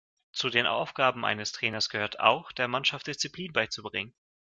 Zu den Aufgaben eines Trainers gehört auch, der Mannschaft Disziplin beizubringen.